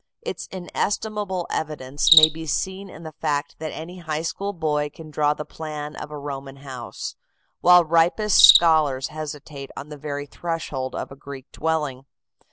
Its inestimable evidence may be seen in the fact that any high school boy can draw the plan of a Roman house, while ripest scholars hesitate on the very threshold of a Greek dwelling.